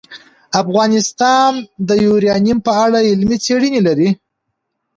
افغانستان د یورانیم په اړه علمي څېړنې لري.